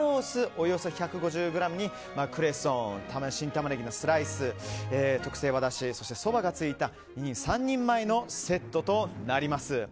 およそ１５０ｇにクレソン、新タマネギのスライス特製和だし、そばがついた２３人前のセットとなります。